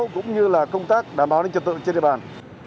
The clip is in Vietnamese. cũng như là công tác đảm bảo đến trật tự trên địa bàn